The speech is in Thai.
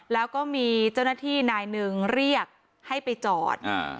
แล้วก็มีเจ้าหน้าที่นายหนึ่งเรียกให้ไปจอดอ่า